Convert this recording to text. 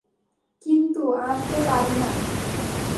কিন্তু আর তো পারি না।